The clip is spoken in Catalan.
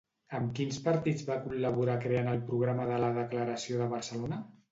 Amb quins partits va col·laborar creant el programa de la Declaració de Barcelona?